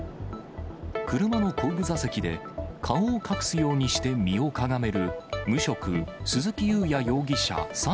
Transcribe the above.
車の後部座席で、顔を隠すようにして身をかがめる無職、鈴木雄也容疑者